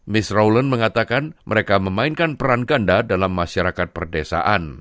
miss rowland mengatakan mereka memainkan peran ganda dalam masyarakat perdesaan